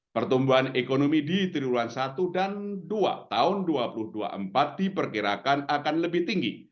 pertumbuhan ekonomi di triwulan satu dan dua tahun dua ribu dua puluh empat diperkirakan akan lebih tinggi